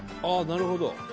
ああなるほど。